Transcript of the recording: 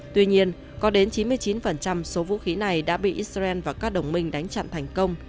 tuy nhiên có đến chín mươi chín số vũ khí này đã bị israel và các đồng minh đánh chặn thành công